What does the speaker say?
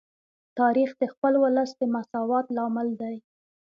تاریخ د خپل ولس د مساوات لامل دی.